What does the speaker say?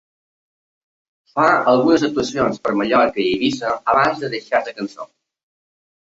Fa algunes actuacions per Mallorca i Eivissa abans de deixar la Cançó.